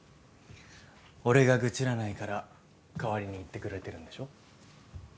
俺が愚痴らないから代わりに言ってくれてるんでしょ。